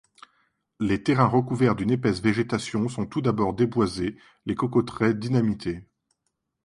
Les terrains recouverts d'une épaisse végétation sont tout d'abord déboisés, les cocoteraies dynamitées.